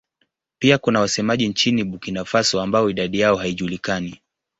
Pia kuna wasemaji nchini Burkina Faso ambao idadi yao haijulikani.